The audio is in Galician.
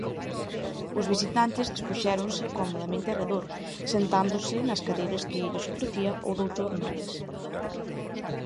Os visitantes dispuxéronse comodamente arredor, sentándose nas cadeiras que lles ofrecía o doutor Méndez.